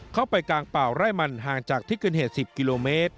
กลางป่าไร่มันห่างจากที่เกินเหตุ๑๐กิโลเมตร